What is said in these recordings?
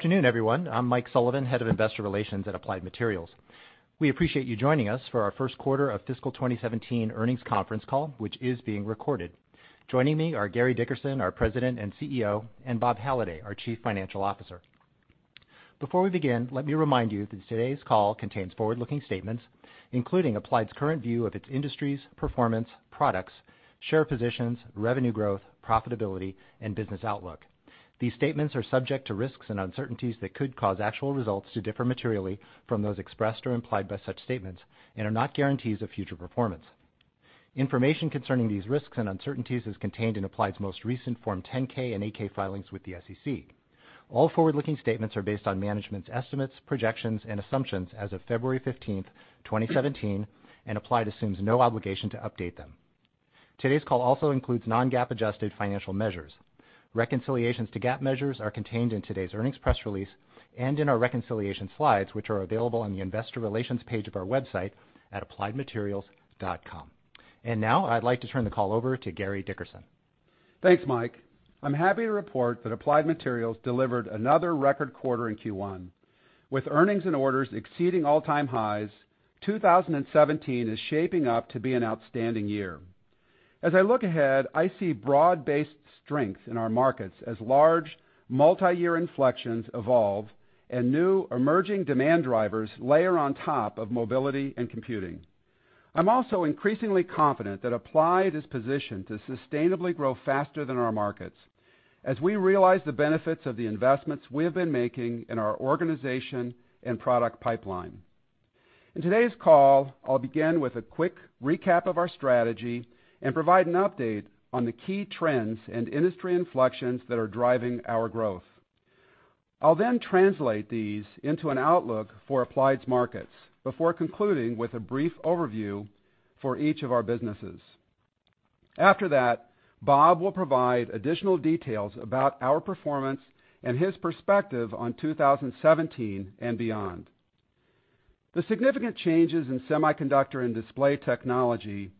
Afternoon, everyone. I'm Mike Sullivan, Head of Investor Relations at Applied Materials. We appreciate you joining us for our first quarter of fiscal 2017 earnings conference call, which is being recorded. Joining me are Gary Dickerson, our President and Chief Executive Officer, and Bob Halliday, our Chief Financial Officer. Before we begin, let me remind you that today's call contains forward-looking statements, including Applied's current view of its industry's performance, products, share positions, revenue growth, profitability, and business outlook. These statements are subject to risks and uncertainties that could cause actual results to differ materially from those expressed or implied by such statements and are not guarantees of future performance. Information concerning these risks and uncertainties is contained in Applied's most recent Form 10-K and 8-K filings with the SEC. All forward-looking statements are based on management's estimates, projections, and assumptions as of February 15, 2017, Applied assumes no obligation to update them. Today's call also includes non-GAAP adjusted financial measures. Reconciliations to GAAP measures are contained in today's earnings press release and in our reconciliation slides, which are available on the investor relations page of our website at appliedmaterials.com. Now I'd like to turn the call over to Gary Dickerson. Thanks, Mike. I'm happy to report that Applied Materials delivered another record quarter in Q1. With earnings and orders exceeding all-time highs, 2017 is shaping up to be an outstanding year. As I look ahead, I see broad-based strength in our markets as large multi-year inflections evolve and new emerging demand drivers layer on top of mobility and computing. I'm also increasingly confident that Applied is positioned to sustainably grow faster than our markets as we realize the benefits of the investments we have been making in our organization and product pipeline. In today's call, I'll begin with a quick recap of our strategy and provide an update on the key trends and industry inflections that are driving our growth. I'll then translate these into an outlook for Applied's markets before concluding with a brief overview for each of our businesses. After that, Bob will provide additional details about our performance and his perspective on 2017 and beyond. The significant changes in semiconductor and display technology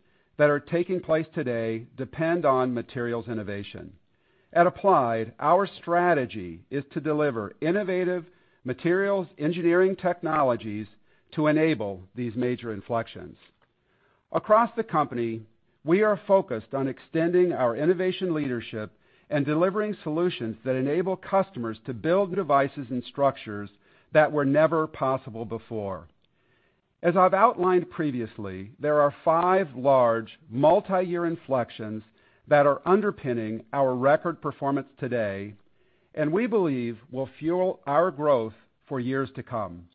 that are taking place today depend on materials innovation. At Applied, our strategy is to deliver innovative materials engineering technologies to enable these major inflections. Across the company, we are focused on extending our innovation leadership and delivering solutions that enable customers to build devices and structures that were never possible before. As I've outlined previously, there are five large multi-year inflections that are underpinning our record performance today, and we believe will fuel our growth for years to come.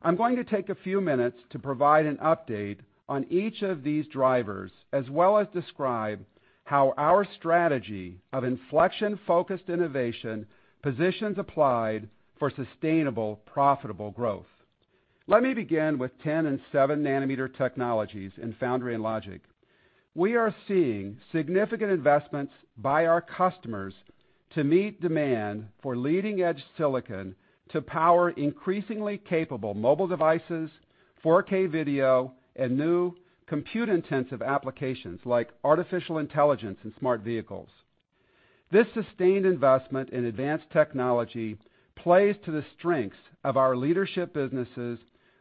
I'm going to take a few minutes to provide an update on each of these drivers, as well as describe how our strategy of inflection-focused innovation positions Applied for sustainable, profitable growth. Let me begin with 10 nanometer and 7-nanometer technologies in foundry and logic. We are seeing significant investments by our customers to meet demand for leading-edge silicon to power increasingly capable mobile devices, 4K video, and new compute-intensive applications like artificial intelligence and smart vehicles. This sustained investment in advanced technology plays to the strengths of our leadership businesses,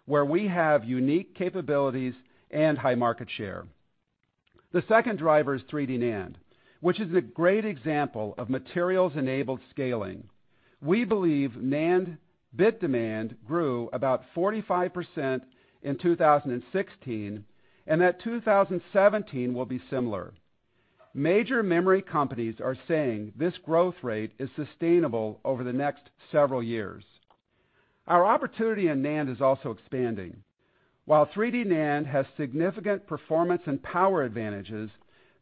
where we have unique capabilities and high market share. The second driver is 3D NAND, which is a great example of materials-enabled scaling. We believe NAND bit demand grew about 45% in 2016, and that 2017 will be similar. Major memory companies are saying this growth rate is sustainable over the next several years. Our opportunity in NAND is also expanding. While 3D NAND has significant performance and power advantages,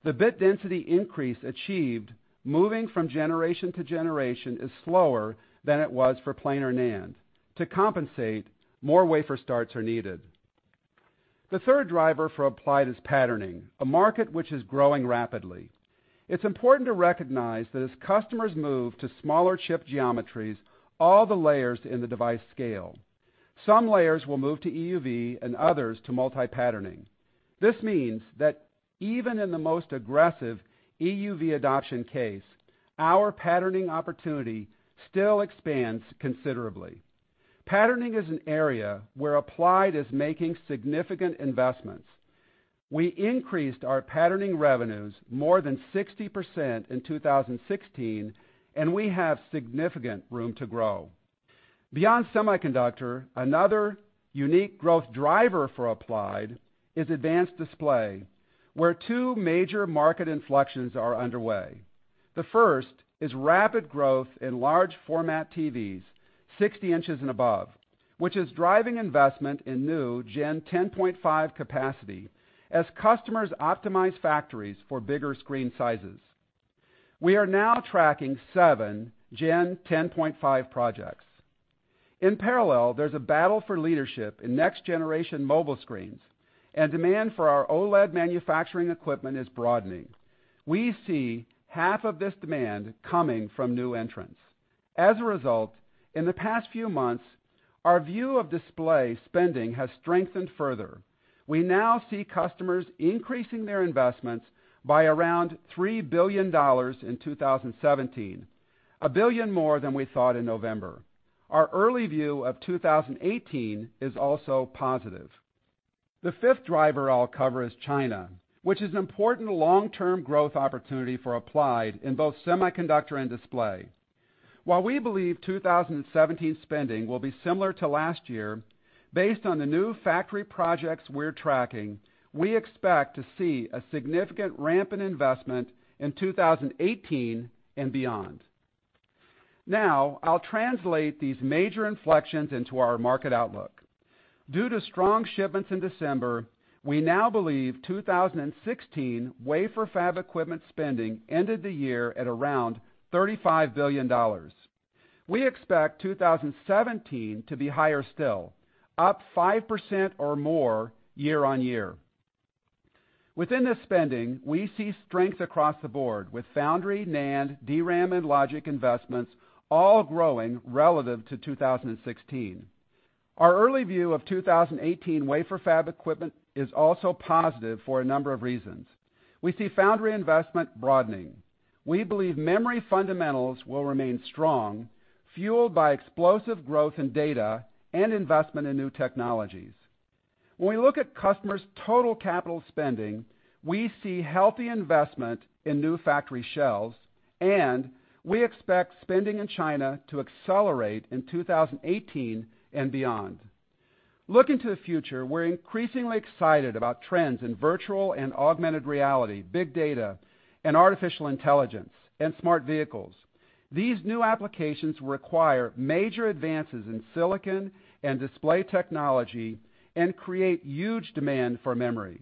the bit density increase achieved moving from generation to generation is slower than it was for planar NAND. To compensate, more wafer starts are needed. The third driver for Applied is patterning, a market which is growing rapidly. It's important to recognize that as customers move to smaller chip geometries, all the layers in the device scale. Some layers will move to EUV and others to multi-patterning. This means that even in the most aggressive EUV adoption case, our patterning opportunity still expands considerably. Patterning is an area where Applied is making significant investments. We increased our patterning revenues by more than 60% in 2016, and we have significant room to grow. Beyond semiconductor, another unique growth driver for Applied is advanced display, where two major market inflections are underway. The first is rapid growth in large format TVs 60 inches and above, which is driving investment in new Gen 10.5 capacity as customers optimize factories for bigger screen sizes. We are now tracking seven Gen 10.5 projects. In parallel, there's a battle for leadership in next-generation mobile screens, and demand for our OLED manufacturing equipment is broadening. We see half of this demand coming from new entrants. As a result, in the past few months, our view of display spending has strengthened further. We now see customers increasing their investments by around $3 billion in 2017, a billion more than we thought in November. Our early view of 2018 is also positive. The fifth driver I'll cover is China, which is an important long-term growth opportunity for Applied in both semiconductor and display. While we believe 2017 spending will be similar to last year, based on the new factory projects we're tracking, we expect to see a significant ramp in investment in 2018 and beyond. I'll translate these major inflections into our market outlook. Due to strong shipments in December, we now believe 2016 wafer fab equipment spending ended the year at around $35 billion. We expect 2017 to be higher still, up 5% or more year-on-year. Within this spending, we see strength across the board with foundry, NAND, DRAM, and logic investments all growing relative to 2016. Our early view of 2018 wafer fab equipment is also positive for a number of reasons. We see foundry investment broadening. We believe memory fundamentals will remain strong, fueled by explosive growth in data and investment in new technologies. When we look at customers' total capital spending, we see healthy investment in new factory shells, and we expect spending in China to accelerate in 2018 and beyond. Looking to the future, we're increasingly excited about trends in virtual and augmented reality, big data, and artificial intelligence, and smart vehicles. These new applications require major advances in silicon and display technology and create huge demand for memory.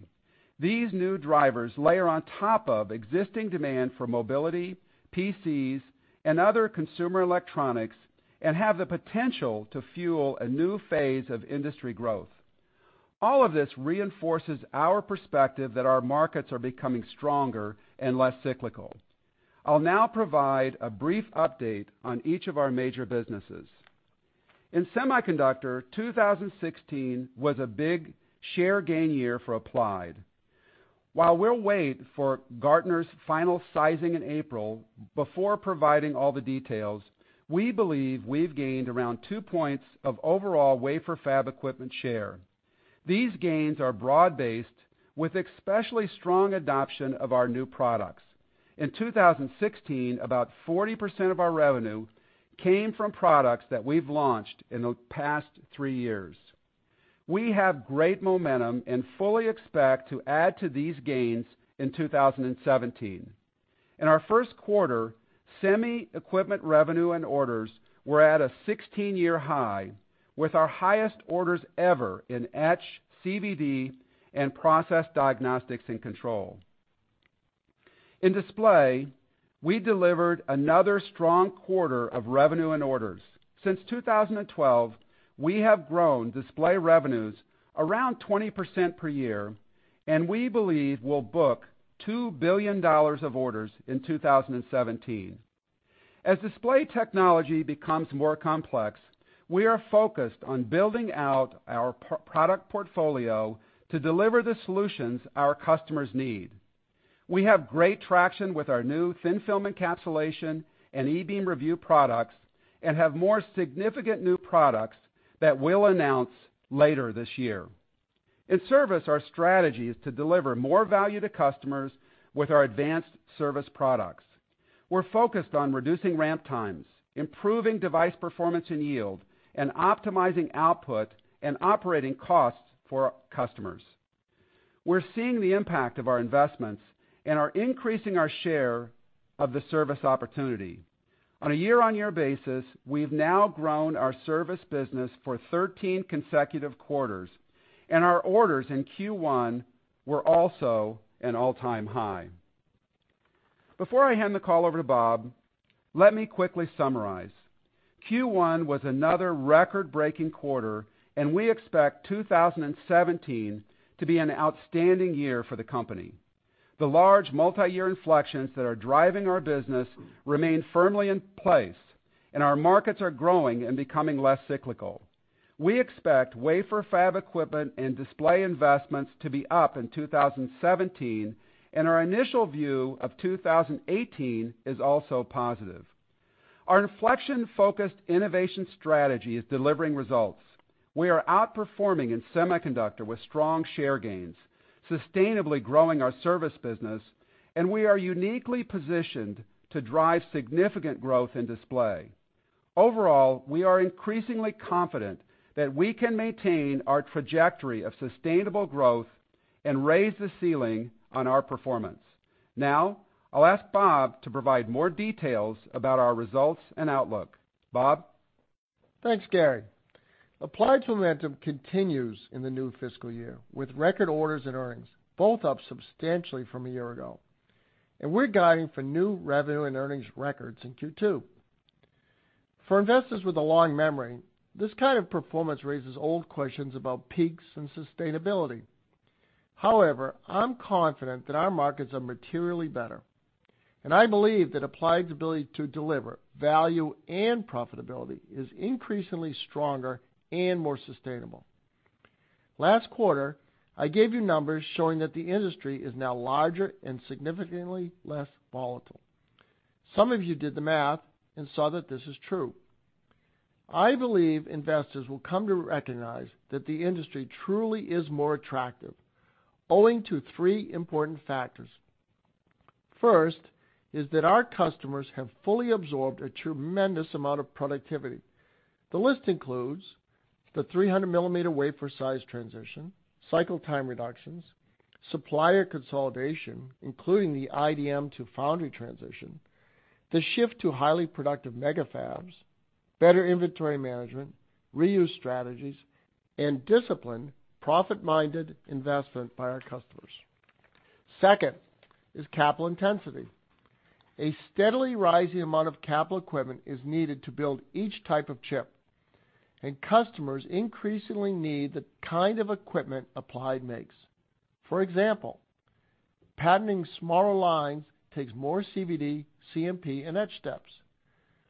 These new drivers layer on top of existing demand for mobility, PCs, and other consumer electronics and have the potential to fuel a new phase of industry growth. All of this reinforces our perspective that our markets are becoming stronger and less cyclical. I'll now provide a brief update on each of our major businesses. In semiconductor, 2016 was a big share gain year for Applied. While we'll wait for Gartner's final sizing in April before providing all the details, we believe we've gained around 2 points of overall wafer fab equipment share. These gains are broad-based with especially strong adoption of our new products. In 2016, about 40% of our revenue came from products that we've launched in the past three years. We have great momentum and fully expect to add to these gains in 2017. In our first quarter, semi equipment revenue and orders were at a 16-year high with our highest orders ever in etch, CVD, and process diagnostics and control. In display, we delivered another strong quarter of revenue and orders. Since 2012, we have grown display revenues around 20% per year, and we believe we'll book $2 billion of orders in 2017. As display technology becomes more complex, we are focused on building out our product portfolio to deliver the solutions our customers need. We have great traction with our new thin-film encapsulation and e-beam review products and have more significant new products that we'll announce later this year. In service, our strategy is to deliver more value to customers with our advanced service products. We're focused on reducing ramp times, improving device performance and yield, and optimizing output and operating costs for customers. We're seeing the impact of our investments and are increasing our share of the service opportunity. On a year-over-year basis, we've now grown our service business for 13 consecutive quarters, and our orders in Q1 were also an all-time high. Before I hand the call over to Bob, let me quickly summarize. Q1 was another record-breaking quarter, and we expect 2017 to be an outstanding year for the company. The large multi-year inflections that are driving our business remain firmly in place, and our markets are growing and becoming less cyclical. We expect wafer fab equipment and display investments to be up in 2017, and our initial view of 2018 is also positive. Our inflection-focused innovation strategy is delivering results. We are outperforming in semiconductor with strong share gains, sustainably growing our service business, and we are uniquely positioned to drive significant growth in display. Overall, we are increasingly confident that we can maintain our trajectory of sustainable growth and raise the ceiling on our performance. Now, I'll ask Bob to provide more details about our results and outlook. Bob? Thanks, Gary. Applied's momentum continues in the new fiscal year, with record orders and earnings both up substantially from a year ago. We're guiding for new revenue and earnings records in Q2. For investors with a long memory, this kind of performance raises old questions about peaks and sustainability. However, I'm confident that our markets are materially better, and I believe that Applied's ability to deliver value and profitability is increasingly stronger and more sustainable. Last quarter, I gave you numbers showing that the industry is now larger and significantly less volatile. Some of you did the math and saw that this is true. I believe investors will come to recognize that the industry truly is more attractive owing to three important factors. First is that our customers have fully absorbed a tremendous amount of productivity. The list includes the 300-millimeter wafer size transition, cycle time reductions, supplier consolidation, including the IDM to foundry transition, the shift to highly productive mega fabs, better inventory management, reuse strategies, and disciplined profit-minded investment by our customers. Second is capital intensity. A steadily rising amount of capital equipment is needed to build each type of chip, and customers increasingly need the kind of equipment Applied makes. For example, patterning smaller lines takes more CVD, CMP, and etch steps.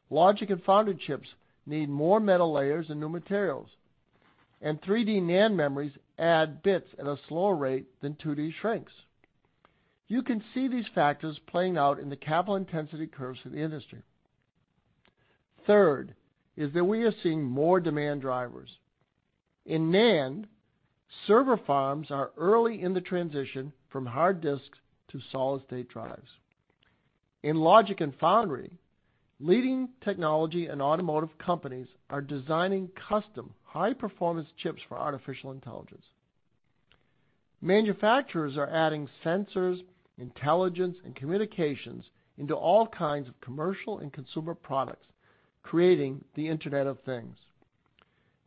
Logic and foundry chips need more metal layers and new materials. 3D NAND memories add bits at a slower rate than 2D shrinks. You can see these factors playing out in the capital intensity curves for the industry. Third is that we are seeing more demand drivers. In NAND, server farms are early in the transition from hard disks to solid-state drives. In logic and foundry, leading technology and automotive companies are designing custom high-performance chips for artificial intelligence. Manufacturers are adding sensors, intelligence, and communications into all kinds of commercial and consumer products, creating the Internet of Things.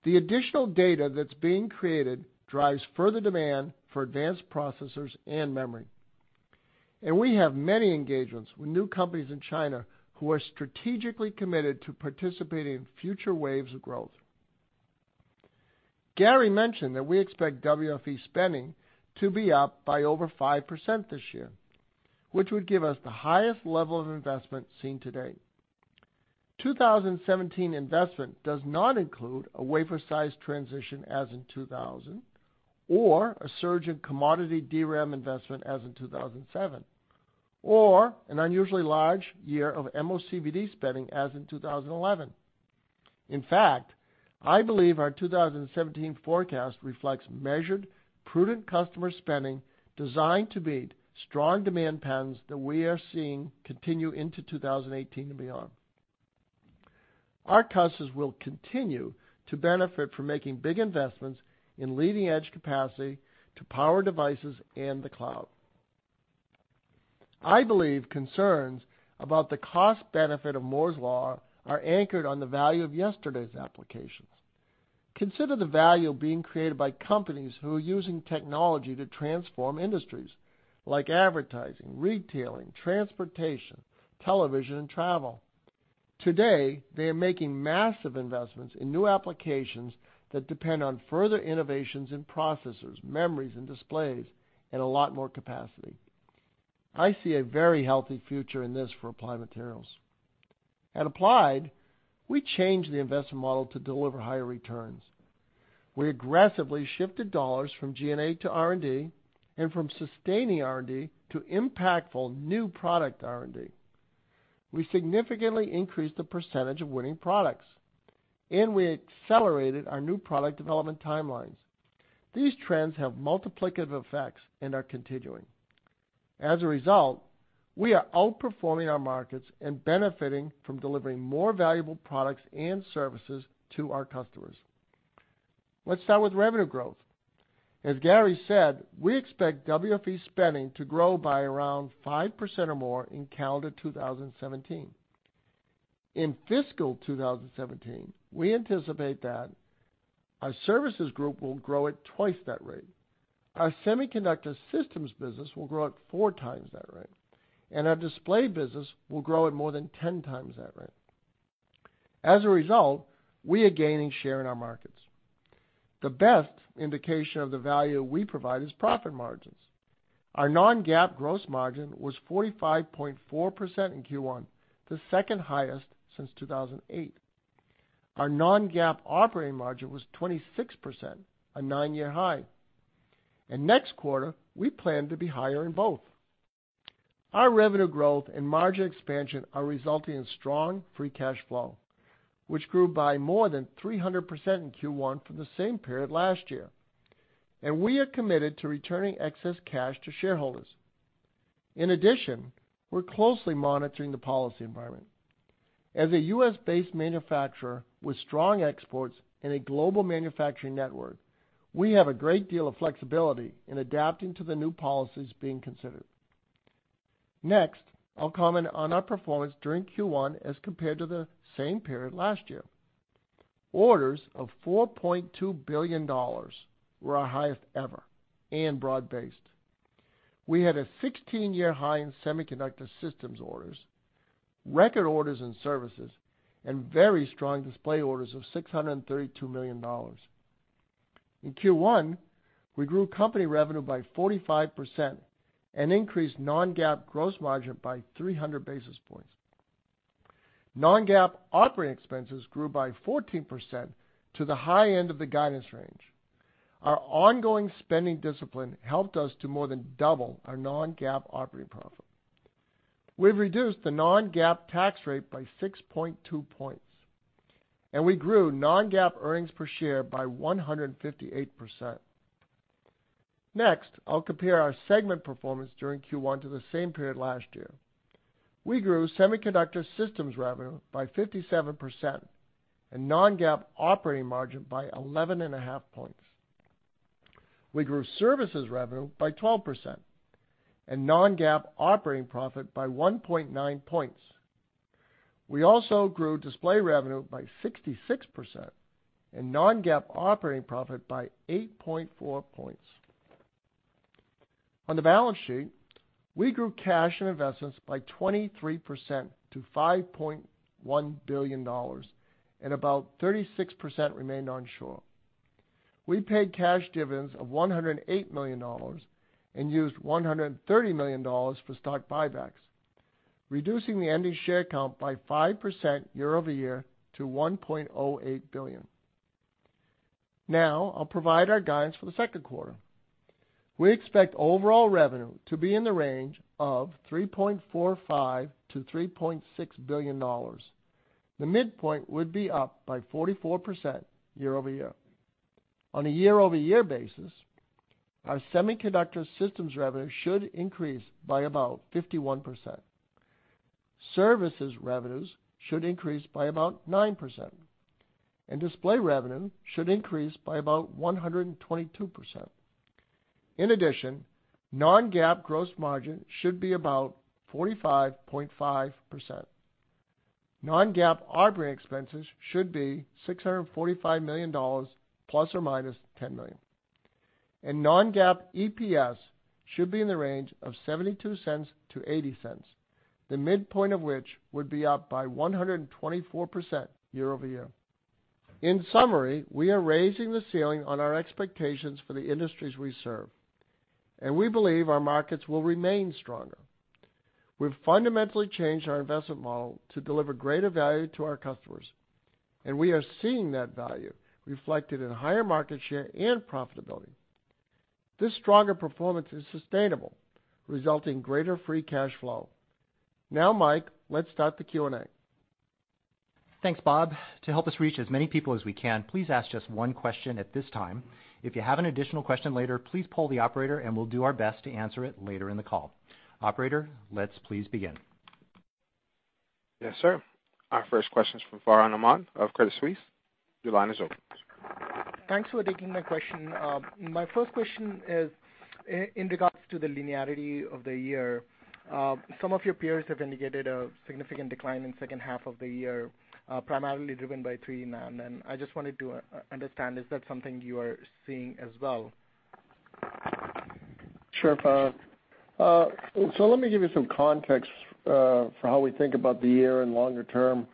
The additional data that's being created drives further demand for advanced processors and memory. We have many engagements with new companies in China who are strategically committed to participating in future waves of growth. Gary mentioned that we expect WFE spending to be up by over 5% this year, which would give us the highest level of investment seen to date. 2017 investment does not include a wafer size transition as in 2000, or a surge in commodity DRAM investment as in 2007, or an unusually large year of MOCVD spending as in 2011. In fact, I believe our 2017 forecast reflects measured, prudent customer spending designed to meet strong demand patterns that we are seeing continue into 2018 and beyond. Our customers will continue to benefit from making big investments in leading-edge capacity to power devices and the cloud. I believe concerns about the cost benefit of Moore's Law are anchored on the value of yesterday's applications. Consider the value being created by companies who are using technology to transform industries like advertising, retailing, transportation, television, and travel. Today, they are making massive investments in new applications that depend on further innovations in processors, memories, and displays, and a lot more capacity. I see a very healthy future in this for Applied Materials. At Applied, we changed the investment model to deliver higher returns. We aggressively shifted $ from G&A to R&D and from sustaining R&D to impactful new product R&D. We significantly increased the percentage of winning products, we accelerated our new product development timelines. These trends have multiplicative effects and are continuing. As a result, we are outperforming our markets and benefiting from delivering more valuable products and services to our customers. Let's start with revenue growth. As Gary said, we expect WFE spending to grow by around 5% or more in calendar 2017. In fiscal 2017, we anticipate that our services group will grow at twice that rate, our semiconductor systems business will grow at 4 times that rate, and our display business will grow at more than 10 times that rate. As a result, we are gaining share in our markets. The best indication of the value we provide is profit margins. Our non-GAAP gross margin was 45.4% in Q1, the second highest since 2008. Our non-GAAP operating margin was 26%, a nine-year high. Next quarter, we plan to be higher in both. Our revenue growth and margin expansion are resulting in strong free cash flow, which grew by more than 300% in Q1 from the same period last year. We are committed to returning excess cash to shareholders. In addition, we're closely monitoring the policy environment. As a U.S.-based manufacturer with strong exports and a global manufacturing network, we have a great deal of flexibility in adapting to the new policies being considered. Next, I'll comment on our performance during Q1 as compared to the same period last year. Orders of $4.2 billion were our highest ever and broad-based. We had a 16-year high in semiconductor systems orders, record orders and services, and very strong display orders of $632 million. In Q1, we grew company revenue by 45% and increased non-GAAP gross margin by 300 basis points. Non-GAAP operating expenses grew by 14% to the high end of the guidance range. Our ongoing spending discipline helped us to more than double our non-GAAP operating profit. We've reduced the non-GAAP tax rate by 6.2 points, we grew non-GAAP earnings per share by 158%. Next, I'll compare our segment performance during Q1 to the same period last year. We grew semiconductor systems revenue by 57% and non-GAAP operating margin by 11.5 points. We grew services revenue by 12% and non-GAAP operating profit by 1.9 points. We also grew display revenue by 66% and non-GAAP operating profit by 8.4 points. On the balance sheet, we grew cash and investments by 23% to $5.1 billion, and about 36% remained onshore. We paid cash dividends of $108 million and used $130 million for stock buybacks, reducing the ending share count by 5% year-over-year to $1.08 billion. Now, I'll provide our guidance for the second quarter. We expect overall revenue to be in the range of $3.45 billion-$3.6 billion. The midpoint would be up by 44% year-over-year. On a year-over-year basis, our semiconductor systems revenue should increase by about 51%. Services revenues should increase by about 9%, display revenue should increase by about 122%. In addition, non-GAAP gross margin should be about 45.5%. Non-GAAP operating expenses should be $645 million ± $10 million. Non-GAAP EPS should be in the range of $0.72-$0.80, the midpoint of which would be up by 124% year-over-year. In summary, we are raising the ceiling on our expectations for the industries we serve, we believe our markets will remain stronger. We've fundamentally changed our investment model to deliver greater value to our customers, we are seeing that value reflected in higher market share and profitability. This stronger performance is sustainable, resulting in greater free cash flow. Mike, let's start the Q&A. Thanks, Bob. To help us reach as many people as we can, please ask just one question at this time. If you have an additional question later, please poll the operator and we'll do our best to answer it later in the call. Operator, let's please begin. Yes, sir. Our first question is from Farhan Ahmad of Credit Suisse. Your line is open. Thanks for taking my question. My first question is in regards to the linearity of the year. Some of your peers have indicated a significant decline in second half of the year, primarily driven by 3nm. I just wanted to understand, is that something you are seeing as well? Let me give you some context for how we think about the year and longer term.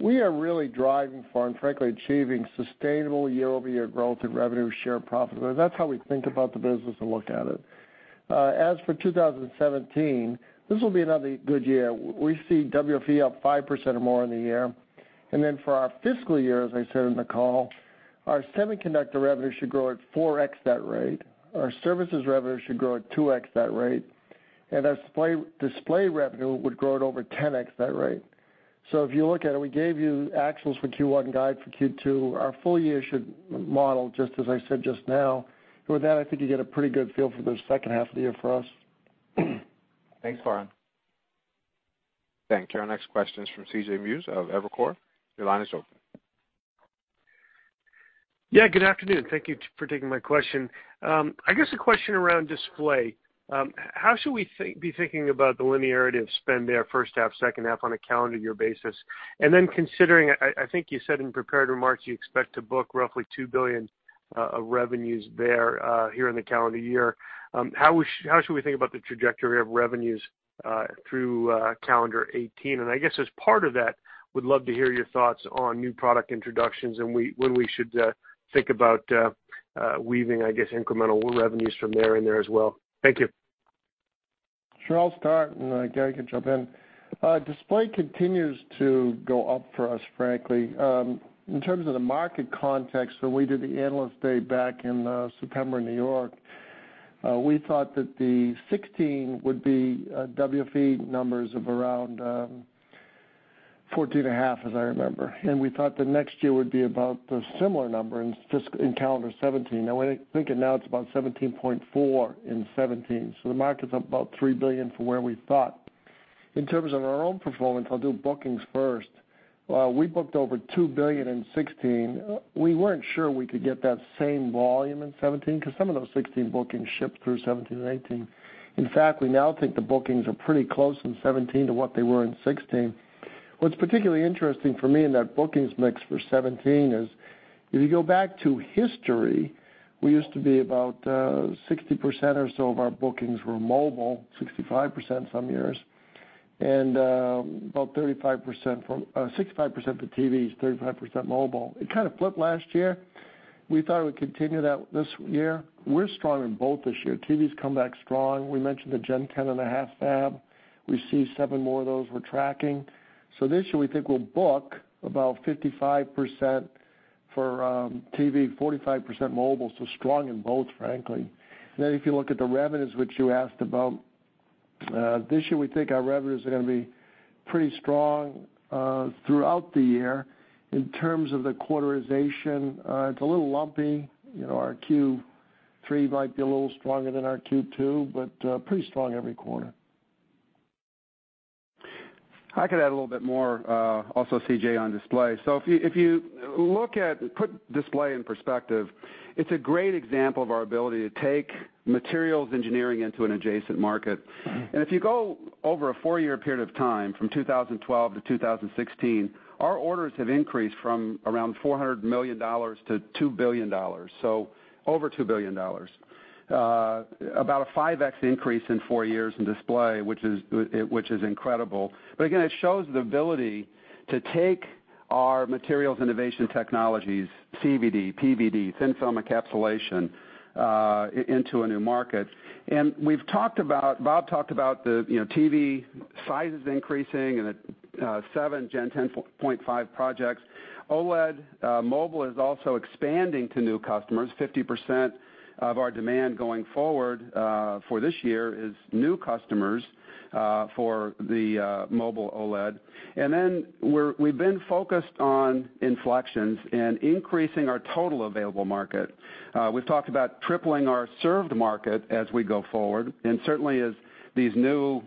We are really driving for and frankly achieving sustainable year-over-year growth in revenue share profit. That's how we think about the business and look at it. For 2017, this will be another good year. We see WFE up 5% or more in the year. For our fiscal year, as I said in the call, our semiconductor revenue should grow at 4x that rate. Our services revenue should grow at 2x that rate. Our display revenue would grow at over 10x that rate. If you look at it, we gave you actuals for Q1 guide for Q2. Our full year should model, just as I said just now. With that, I think you get a pretty good feel for the second half of the year for us. Thanks, Farhan. Thank you. Our next question is from C.J. Muse of Evercore. Your line is open. Good afternoon. Thank you for taking my question. A question around display. How should we be thinking about the linearity of spend there, first half, second half on a calendar year basis? Considering, I think you said in prepared remarks you expect to book roughly $2 billion of revenues there here in the calendar year. How should we think about the trajectory of revenues through calendar 2018? As part of that, would love to hear your thoughts on new product introductions and when we should think about weaving incremental revenues from there and there as well. Thank you. Sure. I'll start, and Gary can jump in. Display continues to go up for us, frankly. In terms of the market context, when we did the Analyst Day back in September in New York, we thought that the 2016 would be WFE numbers of around $14.5 billion, as I remember. We thought that next year would be about the similar number in calendar 2017. Now we're thinking now it's about $17.4 billion in 2017. The market's up about $3 billion from where we thought. In terms of our own performance, I'll do bookings first. We booked over $2 billion in 2016. We weren't sure we could get that same volume in 2017 because some of those 2016 bookings shipped through 2017 and 2018. In fact, we now think the bookings are pretty close in 2017 to what they were in 2016. What's particularly interesting for me in that bookings mix for 2017 is if you go back to history, we used to be about 60% or so of our bookings were mobile, 65% some years, and about 65% for TVs, 35% mobile. It kind of flipped last year. We thought it would continue that this year. We're strong in both this year. TVs come back strong. We mentioned the Gen 10.5 fab. We see seven more of those we're tracking. This year, we think we'll book about 55% for TV, 45% mobile, so strong in both, frankly. If you look at the revenues, which you asked about, this year, we think our revenues are going to be pretty strong throughout the year. In terms of the quarterization, it's a little lumpy. Our Q3 might be a little stronger than our Q2, but pretty strong every quarter. I could add a little bit more, also C.J., on display. If you put display in perspective, it's a great example of our ability to take materials engineering into an adjacent market. If you go over a four-year period of time, from 2012 to 2016, our orders have increased from around $400 million to $2 billion. Over $2 billion. About a 5x increase in four years in display, which is incredible. Again, it shows the ability to take our materials innovation technologies, CVD, PVD, thin-film encapsulation, into a new market. Bob talked about the TV sizes increasing and the seven Gen 10.5 projects. OLED mobile is also expanding to new customers. 50% of our demand going forward, for this year, is new customers for the mobile OLED. We've been focused on inflections and increasing our total available market. We've talked about tripling our served market as we go forward, and certainly as these new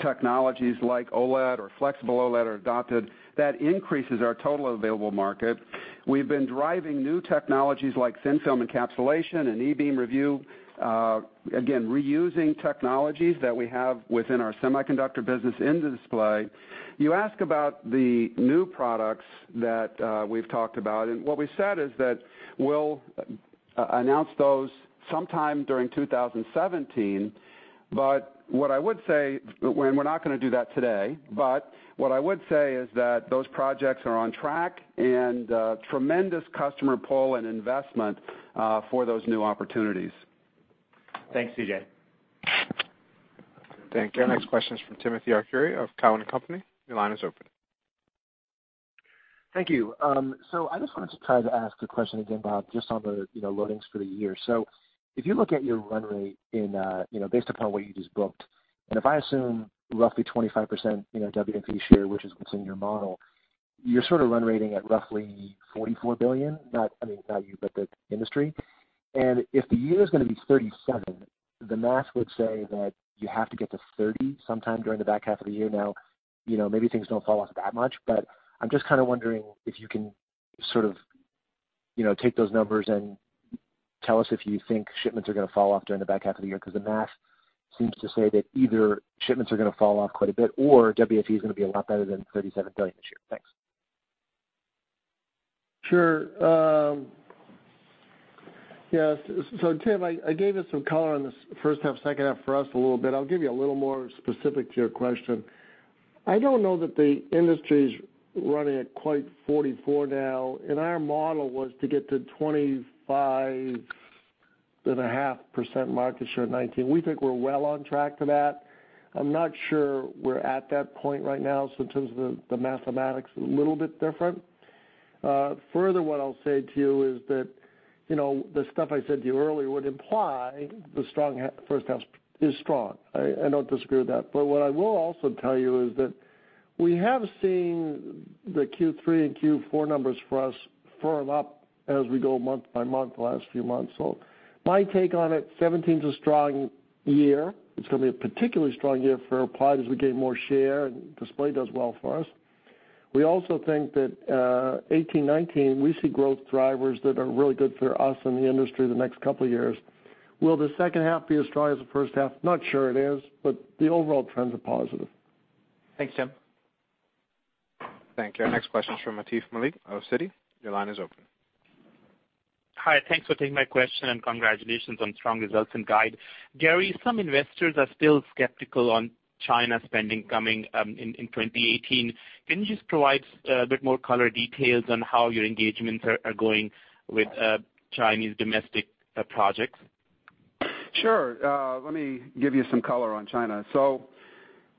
technologies like OLED or flexible OLED are adopted, that increases our total available market. We've been driving new technologies like thin-film encapsulation and e-beam review, again, reusing technologies that we have within our semiconductor business in the display. You ask about the new products that we've talked about, what we said is that we'll announce those sometime during 2017, and we're not going to do that today. What I would say is that those projects are on track and tremendous customer pull and investment for those new opportunities. Thanks, C.J. Thank you. Our next question is from Timothy Arcuri of Cowen and Company. Your line is open. Thank you. I just wanted to try to ask a question again, Bob, just on the loadings for the year. If you look at your run rate based upon what you just booked, and if I assume roughly 25% WFE share, which is what's in your model, you're sort of run rating at roughly $44 billion. I mean, not you, but the industry. If the year is going to be $37 billion, the math would say that you have to get to $30 billion sometime during the back half of the year. Maybe things don't fall off that much, but I'm just kind of wondering if you can sort of take those numbers and tell us if you think shipments are going to fall off during the back half of the year, because the math seems to say that either shipments are going to fall off quite a bit, or WFE is going to be a lot better than $37 billion this year. Thanks. Sure. Yeah. Tim, I gave it some color on the first half, second half for us a little bit. I'll give you a little more specific to your question. I don't know that the industry's running at quite $44 now, and our model was to get to 25.5% market share in 2019. We think we're well on track for that. I'm not sure we're at that point right now. In terms of the mathematics, a little bit different. Further, what I'll say to you is that the stuff I said to you earlier would imply the first half is strong. I don't disagree with that. What I will also tell you is that we have seen the Q3 and Q4 numbers for us firm up as we go month by month the last few months. My take on it, 2017's a strong year. It's going to be a particularly strong year for Applied as we gain more share and display does well for us. We also think that 2018, 2019, we see growth drivers that are really good for us and the industry the next couple of years. Will the second half be as strong as the first half? Not sure it is, but the overall trends are positive. Thanks, Tim. Thank you. Our next question is from Atif Malik of Citi. Your line is open. Hi. Thanks for taking my question and congratulations on strong results and guide. Gary, some investors are still skeptical on China spending coming in 2018. Can you just provide a bit more color details on how your engagements are going with Chinese domestic projects? Sure. Let me give you some color on China.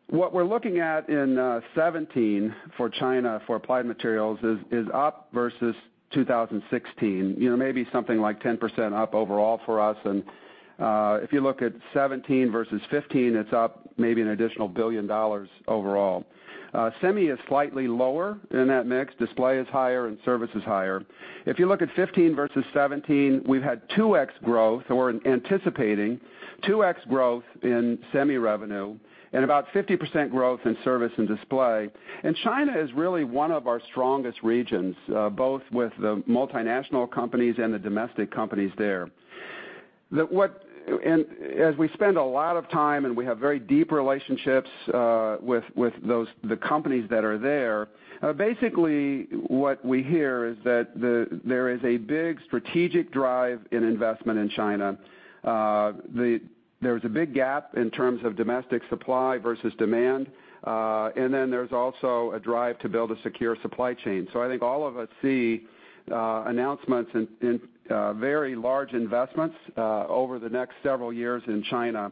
What we're looking at in 2017 for China for Applied Materials is up versus 2016. Maybe something like 10% up overall for us. If you look at 2017 versus 2015, it's up maybe an additional $1 billion overall. Semi is slightly lower in that mix, display is higher and service is higher. If you look at 2015 versus 2017, we've had 2x growth, or anticipating 2x growth in semi revenue and about 50% growth in service and display. China is really one of our strongest regions, both with the multinational companies and the domestic companies there. As we spend a lot of time, and we have very deep relationships with the companies that are there, basically what we hear is that there is a big strategic drive in investment in China. There's a big gap in terms of domestic supply versus demand, then there's also a drive to build a secure supply chain. I think all of us see announcements in very large investments over the next several years in China.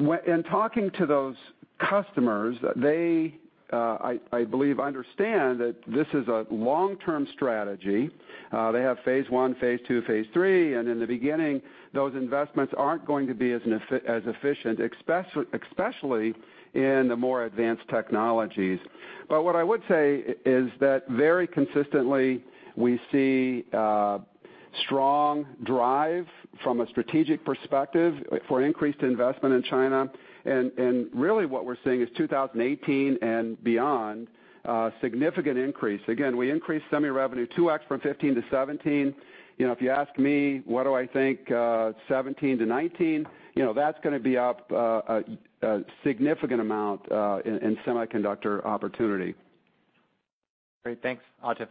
In talking to those customers, they, I believe, understand that this is a long-term strategy. They have phase 1, phase 2, phase 3, in the beginning, those investments aren't going to be as efficient, especially in the more advanced technologies. What I would say is that very consistently, we see a strong drive from a strategic perspective for increased investment in China, really what we're seeing is 2018 and beyond, a significant increase. Again, we increased semi revenue 2x from 2015 to 2017. If you ask me, what do I think 2017 to 2019, that's going to be up a significant amount in semiconductor opportunity. Great. Thanks, Ajit.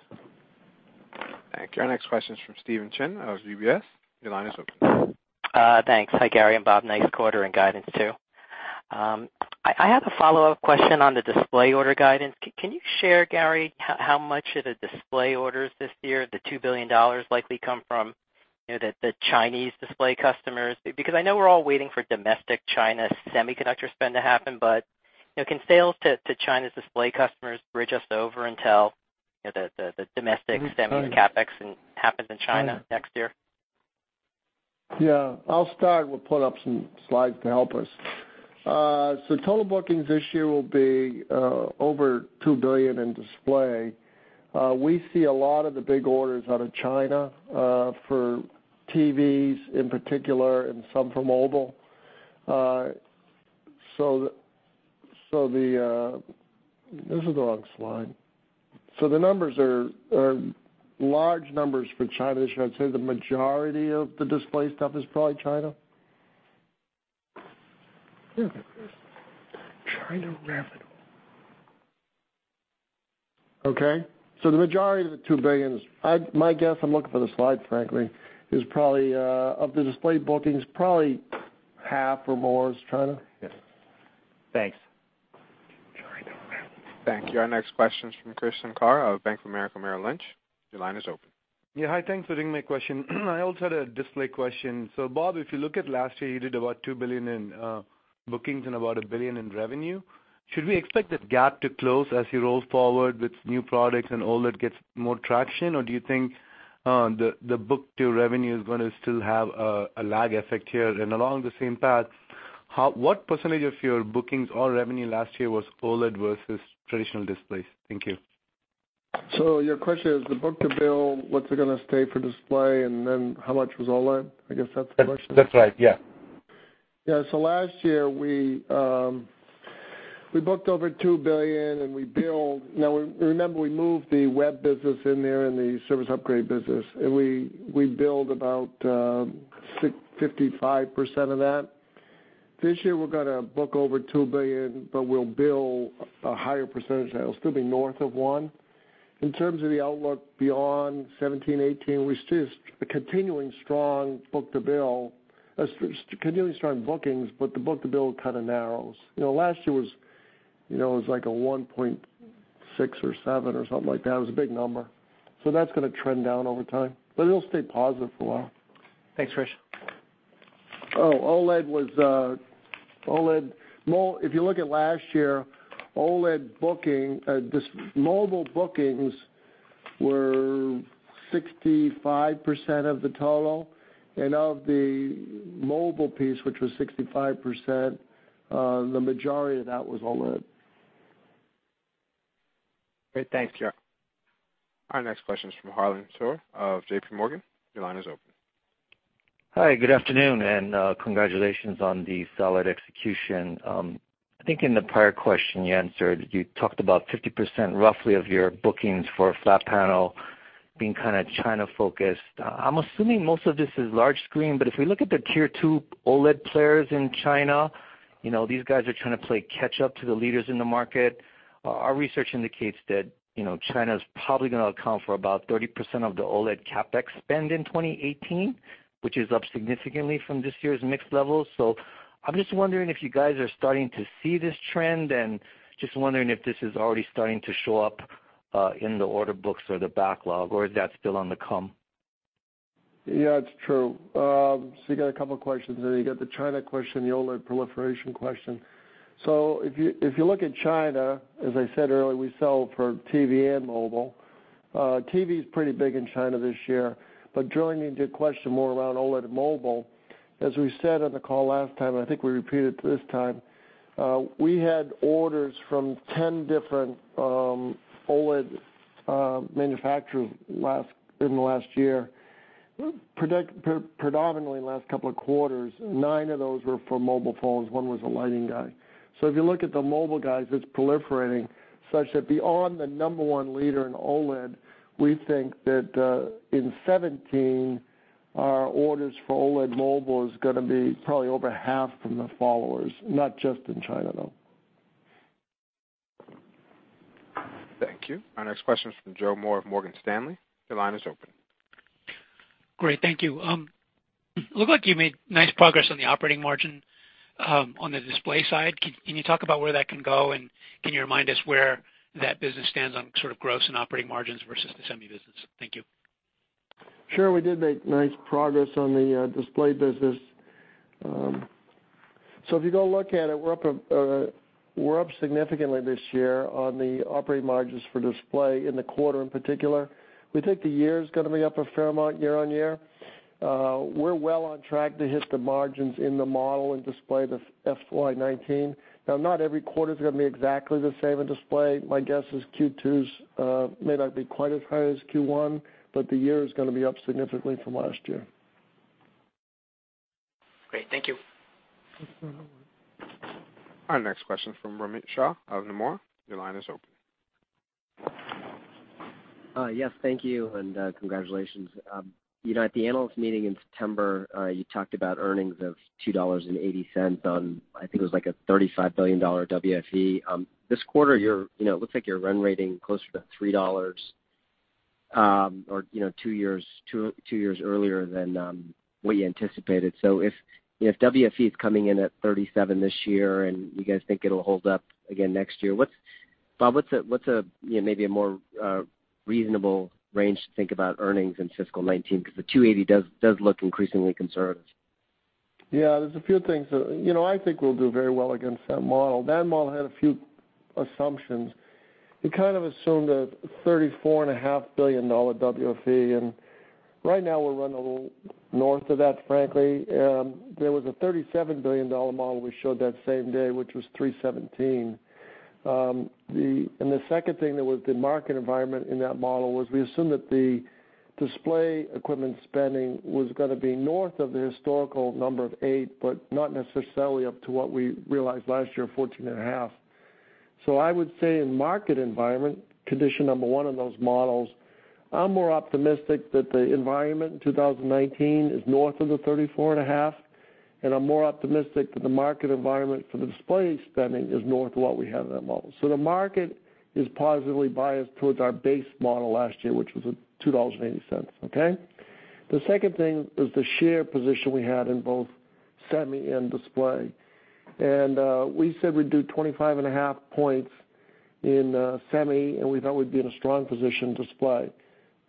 Thank you. Our next question is from Stephen Chin of UBS. Your line is open. Thanks. Hi, Gary and Bob. Nice quarter and guidance, too. I have a follow-up question on the display order guidance. Can you share, Gary, how much of the display orders this year, the $2 billion likely come from the Chinese display customers? I know we're all waiting for domestic China semiconductor spend to happen, can sales to China's display customers bridge us over until the domestic semi CapEx happens in China next year? Yeah. I'll start. We'll put up some slides to help us. Total bookings this year will be over $2 billion in display. We see a lot of the big orders out of China for TVs in particular, and some for mobile. This is the wrong slide. The numbers are large numbers for China this year. I'd say the majority of the display stuff is probably China. Yeah. China revenue. Okay, the majority of the $2 billion is, my guess, I'm looking for the slide, frankly, of the display bookings, probably half or more is China. Yes. Thanks. Thank you. Our next question is from Krish Sankar of Bank of America Merrill Lynch. Your line is open. Yeah. Hi, thanks for taking my question. I also had a display question. Bob, if you look at last year, you did about $2 billion in bookings and about $1 billion in revenue. Should we expect that gap to close as you roll forward with new products and OLED gets more traction, or do you think the book-to-revenue is going to still have a lag effect here? Along the same path, what % of your bookings or revenue last year was OLED versus traditional displays? Thank you. Your question is the book to bill, what's it going to stay for display, and then how much was OLED? I guess that's the question. That's right, yeah. Last year, we booked over $2 billion, and we billed. Now, remember, we moved the web business in there and the service upgrade business, and we billed about 55% of that. This year, we're going to book over $2 billion, but we'll bill a higher percentage. It'll still be north of one. In terms of the outlook beyond 2017, 2018, we see a continuing strong book to bill, continuing strong bookings, but the book to bill kind of narrows. Last year was like a 1.6 or seven or something like that. It was a big number. That's going to trend down over time, but it'll stay positive for a while. Thanks, Krish. Oh, OLED, if you look at last year, mobile bookings were 65% of the total, and of the mobile piece, which was 65%, the majority of that was OLED. Great. Thanks. Our next question is from Harlan Sur of J.P. Morgan. Your line is open. Hi, good afternoon, and congratulations on the solid execution. I think in the prior question you answered, you talked about 50% roughly of your bookings for flat panel being kind of China-focused. I'm assuming most of this is large screen, but if we look at the tier 2 OLED players in China, these guys are trying to play catch up to the leaders in the market. Our research indicates that China's probably gonna account for about 30% of the OLED CapEx spend in 2018, which is up significantly from this year's mixed levels. I'm just wondering if you guys are starting to see this trend, and just wondering if this is already starting to show up in the order books or the backlog, or is that still on the come? Yeah, it's true. You got a couple questions there. You got the China question, the OLED proliferation question. If you look at China, as I said earlier, we sell for TV and mobile. TV's pretty big in China this year. Drilling into your question more around OLED mobile, as we said on the call last time, and I think we repeated it this time, we had orders from 10 different OLED manufacturers in the last year. Predominantly in the last couple of quarters, nine of those were for mobile phones. One was a lighting guy. If you look at the mobile guys, it's proliferating such that beyond the number one leader in OLED, we think that in 2017, our orders for OLED mobile is gonna be probably over half from the followers, not just in China, though. Thank you. Our next question is from Joseph Moore of Morgan Stanley. Your line is open. Great. Thank you. It looked like you made nice progress on the operating margin on the display side. Can you talk about where that can go? Can you remind us where that business stands on sort of gross and operating margins versus the semi business? Thank you. Sure. We did make nice progress on the display business. If you go look at it, we're up significantly this year on the operating margins for display in the quarter in particular. We think the year's going to be up a fair amount year-over-year. We're well on track to hit the margins in the model in display this FY 2019. Not every quarter's going to be exactly the same in display. My guess is Q2's may not be quite as high as Q1, the year is going to be up significantly from last year. Great. Thank you. Our next question is from Romit Shah of Nomura. Your line is open. Yes. Thank you and congratulations. At the analyst meeting in September, you talked about earnings of $2.80 on, I think it was like a $35 billion WFE. This quarter, it looks like you're run rating closer to $3, or two years earlier than what you anticipated. If WFE is coming in at 37 this year and you guys think it'll hold up again next year, Bob, what's maybe a more reasonable range to think about earnings in fiscal 2019, because the $2.80 does look increasingly conservative. Yeah, there's a few things. I think we'll do very well against that model. That model had a few assumptions. It kind of assumed a $34.5 billion WFE, and right now we're running a little north of that, frankly. There was a $37 billion model we showed that same day, which was $3.17. The second thing that was the market environment in that model was we assumed that the display equipment spending was going to be north of the historical number of eight, but not necessarily up to what we realized last year, 14 and a half. I would say in market environment, condition number one in those models, I'm more optimistic that the environment in 2019 is north of the 34 and a half, and I'm more optimistic that the market environment for the display spending is north of what we have in that model. The market is positively biased towards our base model last year, which was $2.80. Okay. The second thing is the share position we had in both semi and display. We said we'd do 25.5 points in semi, and we thought we'd be in a strong position display.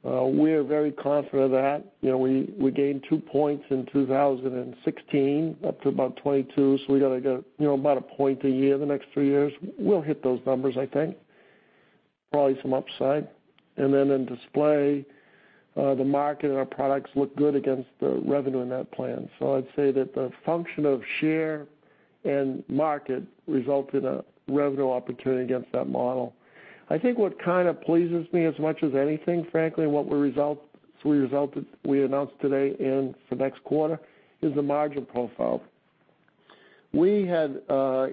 We're very confident of that. We gained two points in 2016, up to about 22, so we got to get about a point a year the next three years. We'll hit those numbers, I think. Probably some upside. In display, the market and our products look good against the revenue in that plan. I'd say that the function of share and market result in a revenue opportunity against that model. I think what kind of pleases me as much as anything, frankly, what we announced today and for next quarter is the margin profile. We had,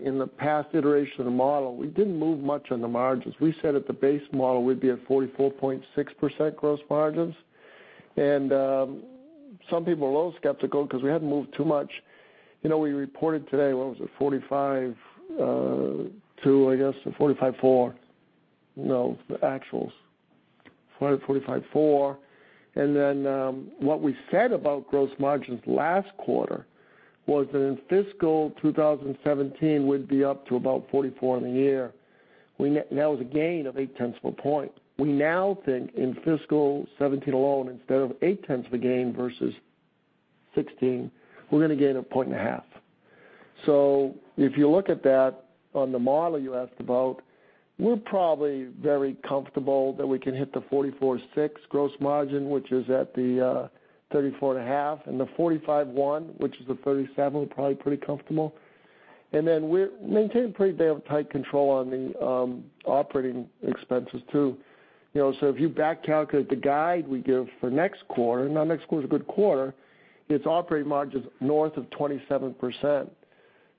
in the past iteration of the model, we didn't move much on the margins. We said at the base model, we'd be at 44.6% gross margins, and some people were a little skeptical because we hadn't moved too much. We reported today, what was it? 45.2%, I guess, or 45.4%. No, the actuals. 45.4%. What we said about gross margins last quarter was that in fiscal 2017, we'd be up to about 44% in the year. That was a gain of 0.8 points. We now think in fiscal 2017 alone, instead of 0.8 of a gain versus 2016, we're going to gain 1.5 points. If you look at that on the model you asked about, we're probably very comfortable that we can hit the 44.6% gross margin, which is at the 34 and a half, and the 45.1%, which is the $37 billion, we're probably pretty comfortable. We're maintaining pretty damn tight control on the operating expenses, too. If you back calculate the guide we give for next quarter, now next quarter's a good quarter, it's operating margins north of 27%.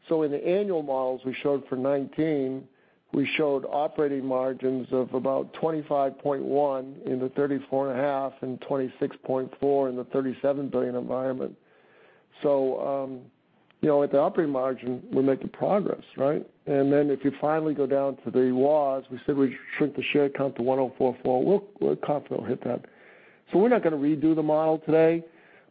In the annual models we showed for 2019, we showed operating margins of about 25.1% in the 34 and a half and 26.4% in the $37 billion environment. At the operating margin, we're making progress, right? If you finally go down to the WAFs, we said we'd shrink the share count to 104.4 million. We're confident we'll hit that. We're not going to redo the model today,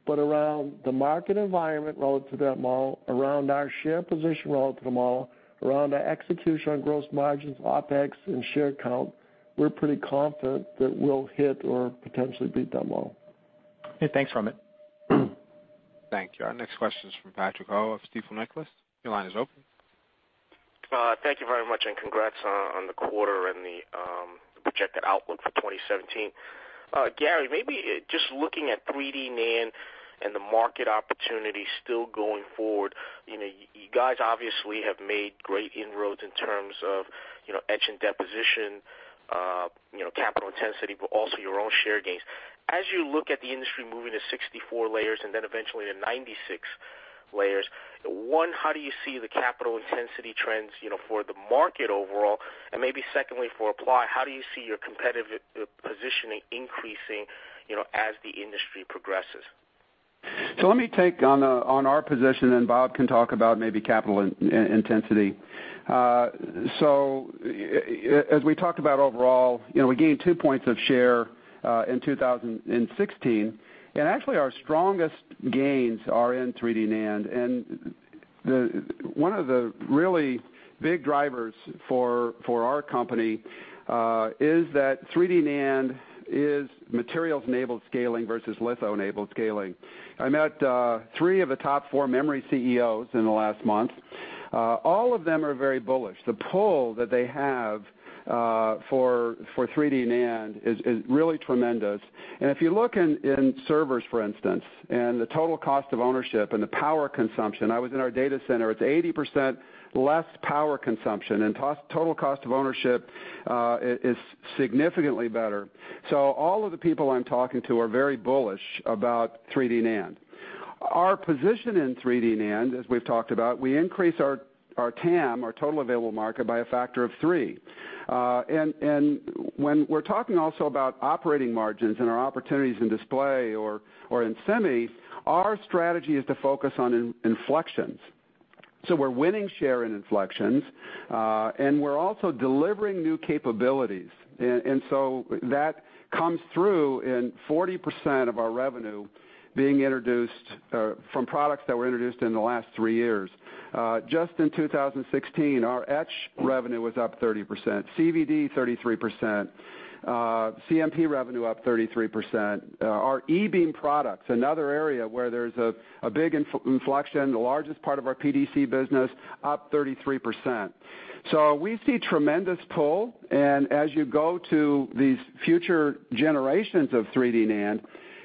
but around the market environment relative to that model, around our share position relative to the model, around our execution on gross margins, OpEx and share count, we're pretty confident that we'll hit or potentially beat that model. Okay, thanks, Romit. Thank you. Our next question is from Patrick Ho of Stifel Nicolaus. Your line is open. Thank you very much. Congrats on the quarter and the projected outlook for 2017. Gary, maybe just looking at 3D NAND and the market opportunity still going forward. You guys obviously have made great inroads in terms of etch and deposition, capital intensity, but also your own share gains. As you look at the industry moving to 64 layers and then eventually to 96 layers, one, how do you see the capital intensity trends for the market overall? Maybe secondly, for Applied, how do you see your competitive positioning increasing as the industry progresses? Let me take on our position. Bob can talk about maybe capital intensity. As we talked about overall, we gained two points of share in 2016. Actually our strongest gains are in 3D NAND. One of the really big drivers for our company, is that 3D NAND is materials-enabled scaling versus litho-enabled scaling. I met three of the top four memory CEOs in the last month. All of them are very bullish. The pull that they have for 3D NAND is really tremendous. If you look in servers, for instance, the total cost of ownership and the power consumption, I was in our data center, it's 80% less power consumption. Total cost of ownership is significantly better. All of the people I'm talking to are very bullish about 3D NAND. Our position in 3D NAND, as we've talked about, we increased our TAM, our total available market, by a factor of 3. When we're talking also about operating margins and our opportunities in display or in semi, our strategy is to focus on inflections. We're winning share in inflections, and we're also delivering new capabilities. That comes through in 40% of our revenue being introduced from products that were introduced in the last 3 years. Just in 2016, our etch revenue was up 30%, CVD 33%, CMP revenue up 33%. Our e-beam products, another area where there's a big inflection, the largest part of our PDC business, up 33%. We see tremendous pull, and as you go to these future generations of 3D NAND,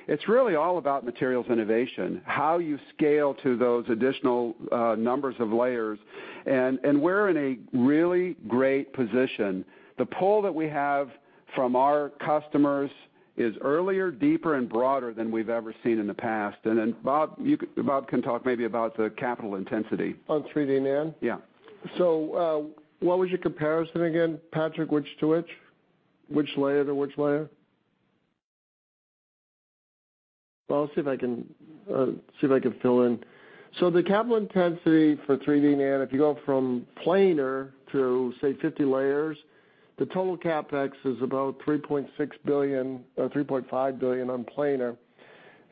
it's really all about materials innovation, how you scale to those additional numbers of layers, and we're in a really great position. The pull that we have from our customers is earlier, deeper, and broader than we've ever seen in the past. Bob can talk maybe about the capital intensity. On 3D NAND? Yeah. What was your comparison again, Patrick? Which to which? Which layer to which layer? I'll see if I can fill in. The capital intensity for 3D NAND, if you go from planar to, say, 50 layers, the total CapEx is about $3.6 billion or $3.5 billion on planar.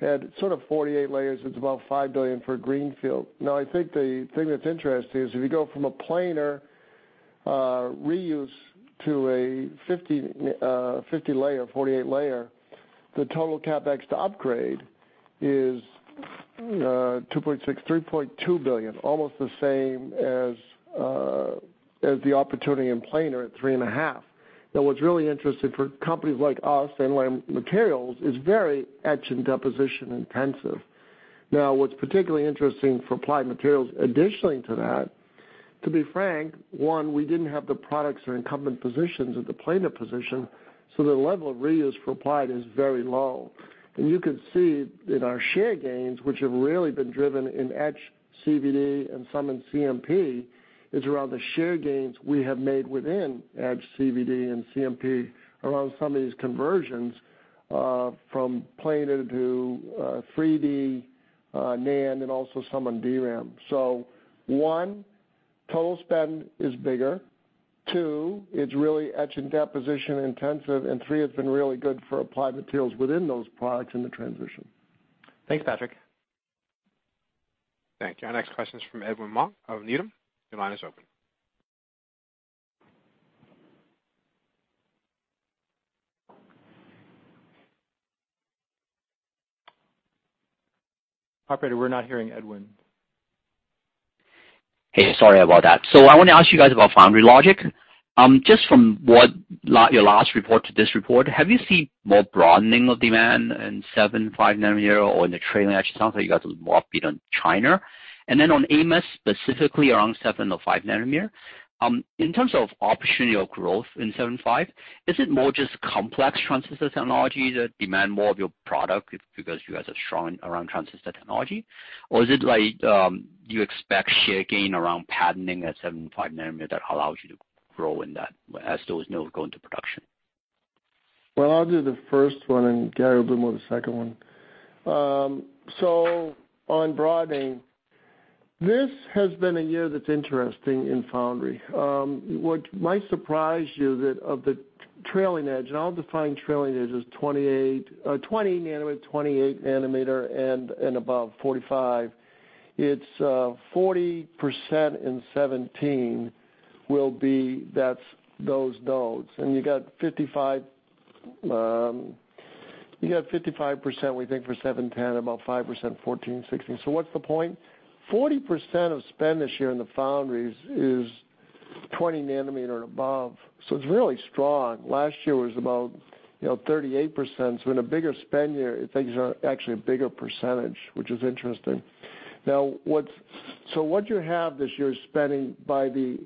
At sort of 48 layers, it's about $5 billion for a greenfield. I think the thing that's interesting is if you go from a planar reuse to a 50-layer, 48-layer, the total CapEx to upgrade is $2.6 billion-$3.2 billion, almost the same as the opportunity in planar at three and a half. What's really interesting for companies like us and Lam Research is very etch and deposition intensive. What's particularly interesting for Applied Materials additionally to that, to be frank, one, we didn't have the products or incumbent positions at the planar position, so the level of reuse for Applied is very low. You can see in our share gains, which have really been driven in etch, CVD, and some in CMP, is around the share gains we have made within etch, CVD, and CMP around some of these conversions from planar to 3D NAND and also some on DRAM. One, total spend is bigger. Two, it's really etch and deposition intensive, and three, it's been really good for Applied Materials within those products in the transition. Thanks, Patrick. Thank you. Our next question is from Edwin Mok of Needham. Your line is open. Operator, we're not hearing Edwin. Hey, sorry about that. I want to ask you guys about foundry logic. Just from your last report to this report, have you seen more broadening of demand in 7/5 nanometer or in the trailing edge? It sounds like you guys were more beat on China. On AMAS, specifically around 7 to 5 nanometer, in terms of opportunity or growth in 7/5, is it more just complex transistor technology that demand more of your product because you guys are strong around transistor technology? Or is it like, you expect share gain around patterning at 7/5 nanometer that allows you to grow in that as those nodes go into production? Well, I'll do the first one, and Gary will do more of the second one. On broadening, this has been a year that's interesting in foundry. What might surprise you that of the trailing edge, and I'll define trailing edge as 20 nanometer, 28 nanometer, and above 45. It's 40% in 2017 will be those nodes. You got 55%, we think, for 7/10, about 5%, 14/16. What's the point? 40% of spend this year in the foundries is 20 nanometer and above, so it's really strong. Last year was about 38%, so in a bigger spend year, things are actually a bigger percentage, which is interesting. What you have this year is spending by the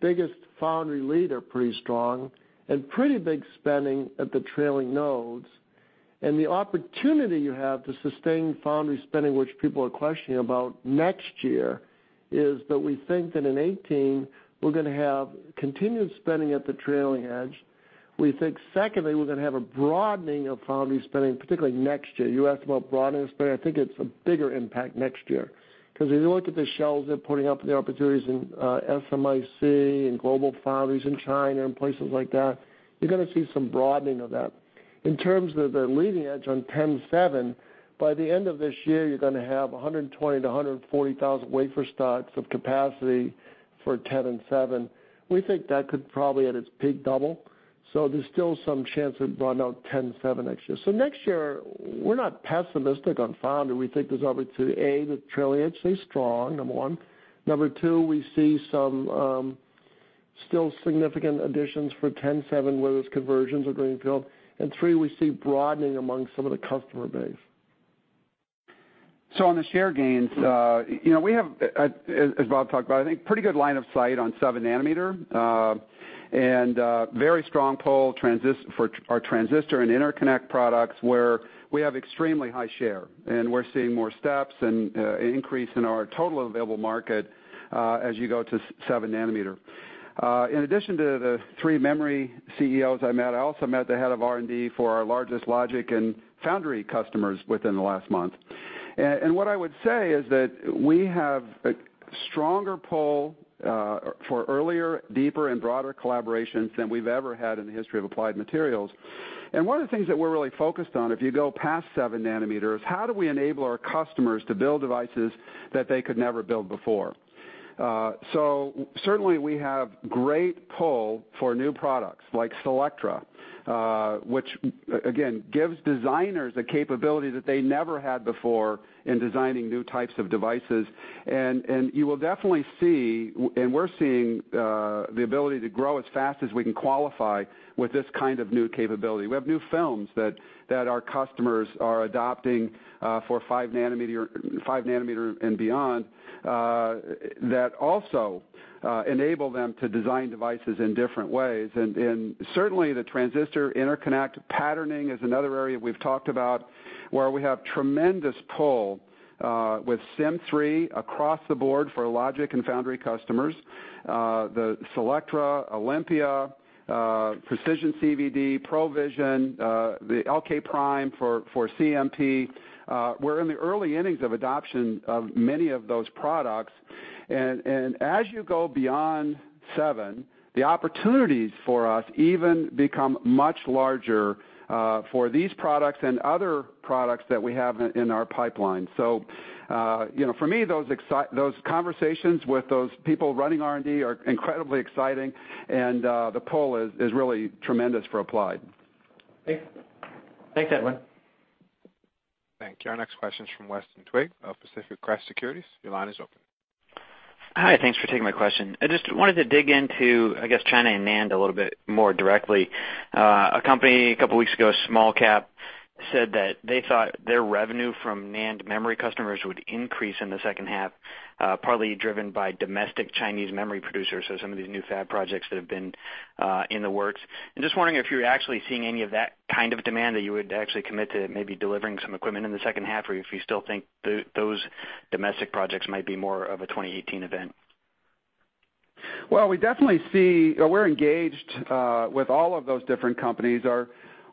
biggest foundry leader pretty strong and pretty big spending at the trailing nodes. The opportunity you have to sustain foundry spending, which people are questioning about next year, is that we think that in 2018, we're going to have continued spending at the trailing edge. We think secondly, we're going to have a broadening of foundry spending, particularly next year. You asked about broadening spending. I think it's a bigger impact next year, because as you look at the shelves, they're putting up the opportunities in SMIC, in GlobalFoundries in China, and places like that, you're going to see some broadening of that. In terms of the leading edge on 10/7, by the end of this year, you're going to have 120,000 to 140,000 wafer starts of capacity for 10 and 7. We think that could probably, at its peak, double. There's still some chance it run out 10/7 next year. Next year, we're not pessimistic on foundry. We think there's opportunity. A, the trailing edge stays strong, number one. Number two, we see some still significant additions for 10/7, whether it's conversions or greenfield. Three, we see broadening amongst some of the customer base. On the share gains, we have, as Bob talked about, I think, pretty good line of sight on 7-nanometer, and very strong pull for our transistor and interconnect products, where we have extremely high share, and we're seeing more steps and increase in our total available market, as you go to 7-nanometer. In addition to the three memory CEOs I met, I also met the head of R&D for our largest logic and foundry customers within the last month. What I would say is that we have a stronger pull for earlier, deeper and broader collaborations than we've ever had in the history of Applied Materials. One of the things that we're really focused on, if you go past 7-nanometers, how do we enable our customers to build devices that they could never build before? Certainly, we have great pull for new products like Selectra, which again, gives designers the capability that they never had before in designing new types of devices. You will definitely see, and we're seeing the ability to grow as fast as we can qualify with this kind of new capability. We have new films that our customers are adopting for 5-nanometer and beyond, that also enable them to design devices in different ways. Certainly, the transistor interconnect patterning is another area we've talked about, where we have tremendous pull with Sym3 across the board for logic and foundry customers. The Selectra, Olympia, Precision CVD, PROVision, the LK Prime for CMP. We're in the early innings of adoption of many of those products. As you go beyond 7, the opportunities for us even become much larger for these products and other products that we have in our pipeline. For me, those conversations with those people running R&D are incredibly exciting, and the pull is really tremendous for Applied. Thanks, Edwin. Thank you. Our next question is from Weston Twigg of Pacific Crest Securities. Your line is open. Hi. Thanks for taking my question. I just wanted to dig into, I guess, China and NAND a little bit more directly. A company couple weeks ago, small cap, said that they thought their revenue from NAND memory customers would increase in the second half, partly driven by domestic Chinese memory producers, so some of these new fab projects that have been in the works. Just wondering if you're actually seeing any of that kind of demand that you would actually commit to maybe delivering some equipment in the second half, or if you still think those domestic projects might be more of a 2018 event. Well, we're engaged with all of those different companies.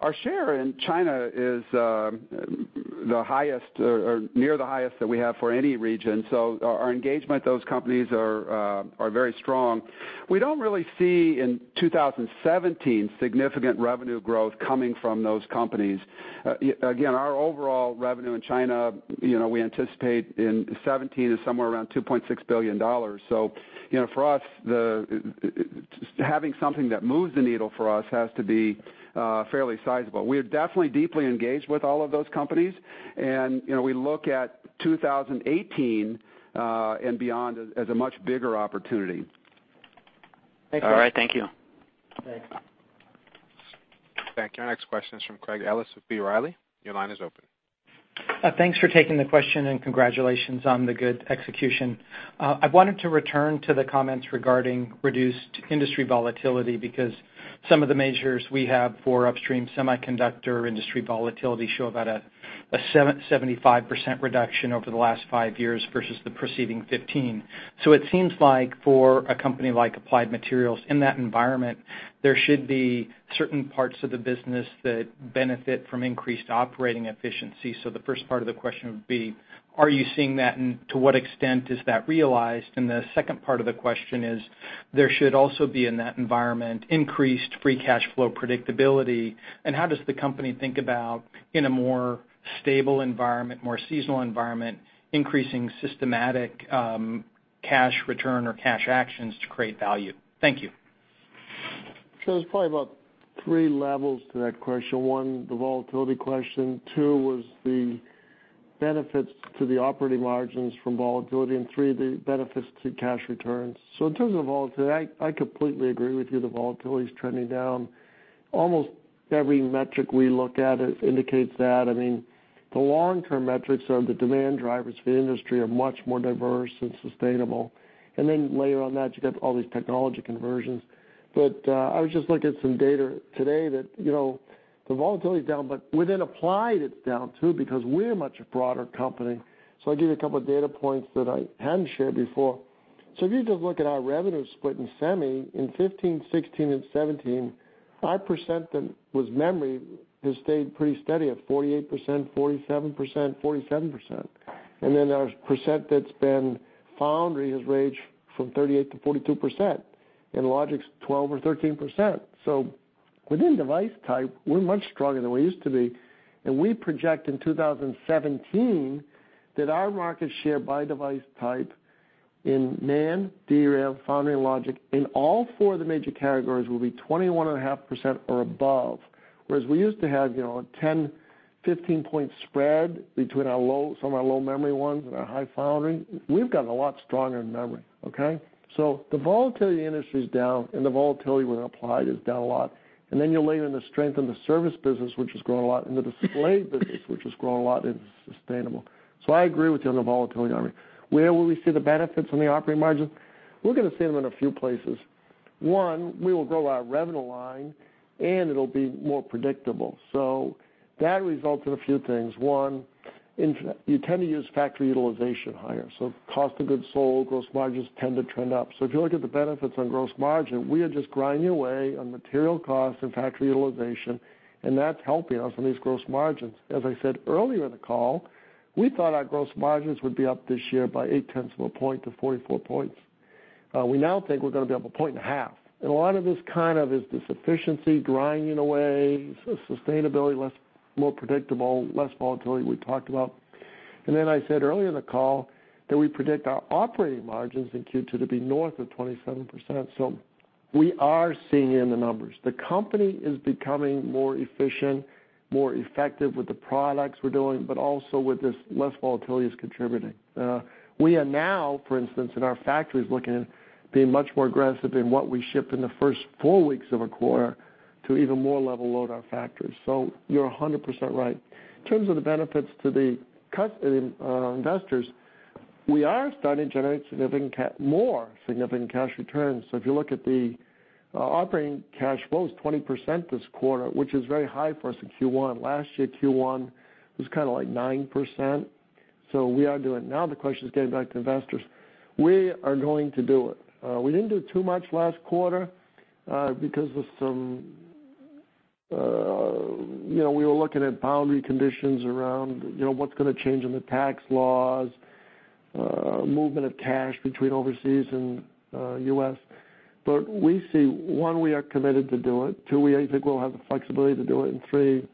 Our share in China is the highest or near the highest that we have for any region. Our engagement with those companies are very strong. We don't really see, in 2017, significant revenue growth coming from those companies. Again, our overall revenue in China, we anticipate in 2017 is somewhere around $2.6 billion. For us, having something that moves the needle for us has to be fairly sizable. We are definitely deeply engaged with all of those companies, we look at 2018 and beyond as a much bigger opportunity. All right. Thank you. Thanks. Thank you. Our next question is from Craig Ellis with B. Riley. Your line is open. Thanks for taking the question, and congratulations on the good execution. I wanted to return to the comments regarding reduced industry volatility because some of the measures we have for upstream semiconductor industry volatility show about a 75% reduction over the last five years versus the preceding 15. It seems like for a company like Applied Materials, in that environment, there should be certain parts of the business that benefit from increased operating efficiency. The first part of the question would be: are you seeing that, and to what extent is that realized? The second part of the question is: there should also be, in that environment, increased free cash flow predictability, and how does the company think about, in a more stable environment, more seasonal environment, increasing systematic cash return or cash actions to create value? Thank you. There's probably about 3 levels to that question. One, the volatility question, two was the benefits to the operating margins from volatility, and three, the benefits to cash returns. In terms of volatility, I completely agree with you. The volatility is trending down. Almost every metric we look at indicates that. I mean, the long-term metrics of the demand drivers for the industry are much more diverse and sustainable. Then layer on that, you got all these technology conversions. I was just looking at some data today that the volatility is down, but within Applied, it's down, too, because we're a much broader company. I'll give you a couple of data points that I hadn't shared before. If you just look at our revenue split in semi in 2015, 2016, and 2017, our percent that was memory has stayed pretty steady at 48%, 47%, 47%. Our percent that's been foundry has ranged from 38%-42%, and logic's 12% or 13%. Within device type, we're much stronger than we used to be, and we project in 2017 that our market share by device type in NAND, DRAM, foundry, logic, in all 4 of the major categories will be 21.5% or above. Whereas we used to have a 10, 15-point spread between some of our low memory ones and our high foundry. We've gotten a lot stronger in memory. Okay? The volatility in the industry is down, and the volatility with Applied is down a lot. Then you layer in the strength in the service business, which has grown a lot, and the display business, which has grown a lot and is sustainable. I agree with you on the volatility, Armeen. Where will we see the benefits on the operating margin? We're going to see them in a few places. One, we will grow our revenue line and it'll be more predictable. That results in a few things. One, you tend to use factory utilization higher, cost of goods sold, gross margins tend to trend up. If you look at the benefits on gross margin, we are just grinding away on material costs and factory utilization, and that's helping us on these gross margins. As I said earlier in the call, we thought our gross margins would be up this year by 8 tenths of a point to 44 points. We now think we're going to be up a point and a half. A lot of this kind of is this efficiency grinding away, sustainability, more predictable, less volatility we talked about. Then I said earlier in the call that we predict our operating margins in Q2 to be north of 27%. We are seeing it in the numbers. The company is becoming more efficient, more effective with the products we're doing, but also with this less volatility is contributing. We are now, for instance, in our factories looking at being much more aggressive in what we ship in the first four weeks of a quarter to even more level load our factories. You're 100% right. In terms of the benefits to the investors, we are starting to generate more significant cash returns. If you look at the operating cash flow is 20% this quarter, which is very high for us in Q1. Last year, Q1 was kind of like 9%. We are doing it. Now the question is getting it back to investors. We are going to do it. We didn't do too much last quarter because we were looking at boundary conditions around what's going to change in the tax laws, movement of cash between overseas and U.S. We see, 1, we are committed to do it, 2, we think we'll have the flexibility to do it, and 3,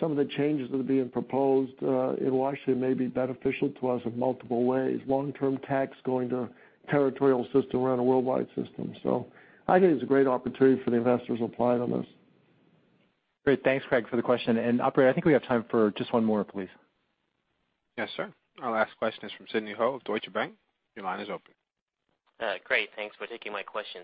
some of the changes that are being proposed, it will actually may be beneficial to us in multiple ways, long-term tax going to a territorial system. We're in a worldwide system. I think it's a great opportunity for the investors of Applied on this. Great. Thanks, Craig, for the question. Operator, I think we have time for just one more, please. Yes, sir. Our last question is from Sidney Ho of Deutsche Bank. Your line is open. Great. Thanks for taking my question.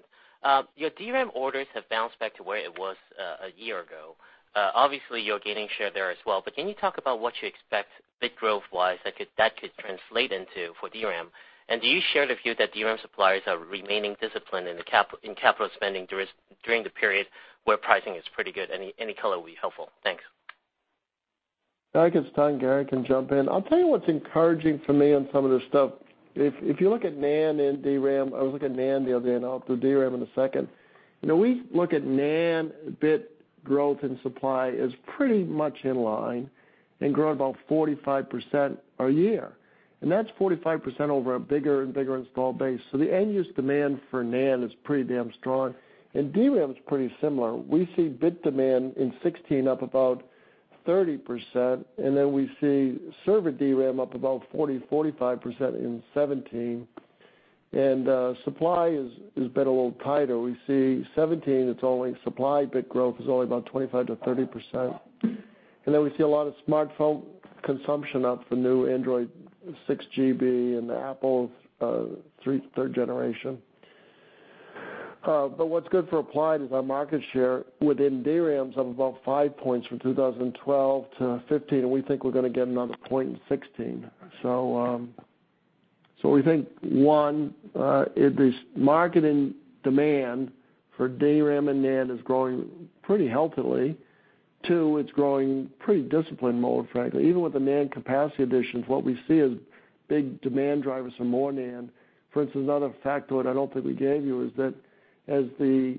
Your DRAM orders have bounced back to where it was a year ago. Obviously, you are gaining share there as well, but can you talk about what you expect bit growth-wise that could translate into for DRAM? Do you share the view that DRAM suppliers are remaining disciplined in capital spending during the period where pricing is pretty good? Any color would be helpful. Thanks. I guess Dan and Gary can jump in. I will tell you what is encouraging for me on some of this stuff. If you look at NAND and DRAM, I was looking at NAND the other day, I will do DRAM in a second. We look at NAND bit growth and supply as pretty much in line and growing about 45% a year. That is 45% over a bigger and bigger installed base. The end-use demand for NAND is pretty damn strong. DRAM is pretty similar. We see bit demand in 2016 up about 30%, then we see server DRAM up about 40, 45% in 2017. Supply has been a little tighter. We see 2017, supply bit growth is only about 25%-30%. Then we see a lot of smartphone consumption of the new Android 6GB and the Apple third generation. What is good for Applied is our market share within DRAMs of about 5 points from 2012-2015, and we think we are going to get another 1 point in 2016. We think, one, the marketing demand for DRAM and NAND is growing pretty healthily. Two, it is growing pretty disciplined, more frankly. Even with the NAND capacity additions, what we see is big demand drivers for more NAND. Another factor that I do not think we gave you is that as the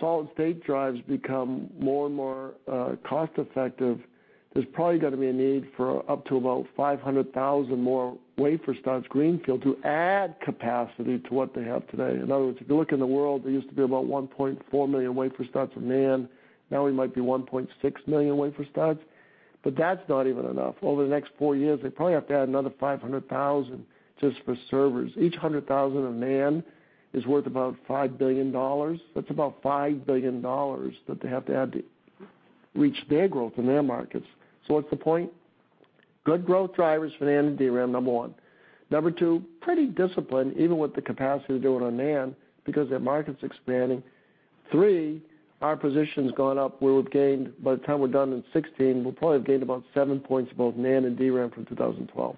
solid-state drives become more and more cost-effective, there is probably going to be a need for up to about 500,000 more wafer starts greenfield to add capacity to what they have today. In other words, if you look in the world, there used to be about 1.4 million wafer starts for NAND. Now we might be 1.6 million wafer starts, but that is not even enough. Over the next four years, they probably have to add another 500,000 just for servers. Each 100,000 of NAND is worth about $5 billion. That's about $5 billion that they have to add to reach their growth in their markets. What's the point? Good growth drivers for NAND and DRAM, number one. Number two, pretty disciplined, even with the capacity they're doing on NAND, because their market's expanding. Three, our position's gone up where by the time we're done in 2016, we'll probably have gained about seven points of both NAND and DRAM from 2012.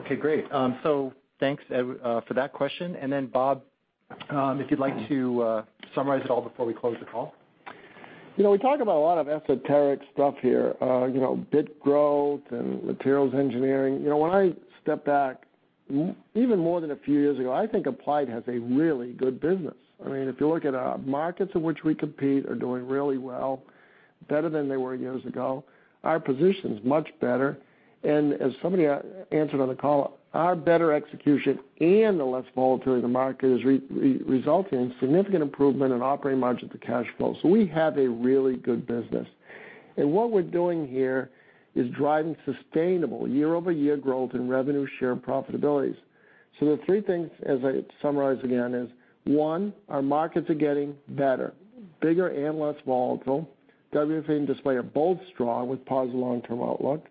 Okay, great. Thanks for that question. Bob, if you'd like to summarize it all before we close the call? We talk about a lot of esoteric stuff here, bit growth and materials engineering. When I step back, even more than a few years ago, I think Applied has a really good business. If you look at our markets in which we compete are doing really well, better than they were years ago. Our position's much better. As somebody answered on the call, our better execution and the less volatility in the market has resulted in significant improvement in operating margins and cash flow. We have a really good business. What we're doing here is driving sustainable year-over-year growth in revenue share and profitabilities. The three things, as I summarize again, is one, our markets are getting better, bigger and less volatile. WAF and display are both strong, with positive long-term outlook.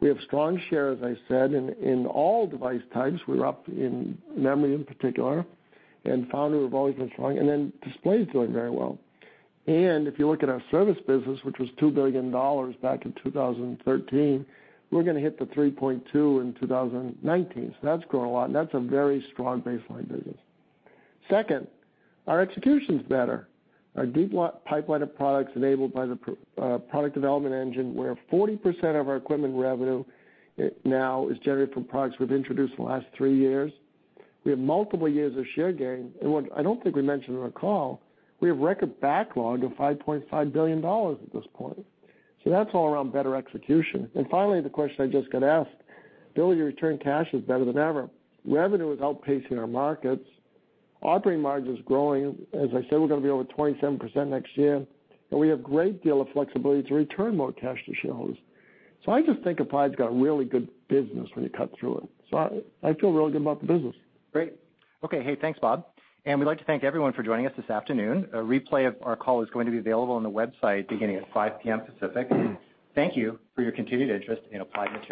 We have strong share, as I said, in all device types. We're up in memory in particular, foundry we've always been strong, display is doing very well. If you look at our service business, which was $2 billion back in 2013, we're going to hit $3.2 billion in 2019. That's grown a lot, that's a very strong baseline business. Second, our execution's better. Our deep pipeline of products enabled by the product development engine, where 40% of our equipment revenue now is generated from products we've introduced in the last three years. We have multiple years of share gain. What I don't think we mentioned on our call, we have record backlog of $5.5 billion at this point. That's all around better execution. Finally, the question I just got asked, ability to return cash is better than ever. Revenue is outpacing our markets. Operating margin's growing. As I said, we're going to be over 27% next year, and we have great deal of flexibility to return more cash to shareholders. I just think Applied's got a really good business when you cut through it, I feel really good about the business. Great. Okay. Hey, thanks, Bob. We'd like to thank everyone for joining us this afternoon. A replay of our call is going to be available on the website beginning at 5:00 P.M. Pacific. Thank you for your continued interest in Applied Materials.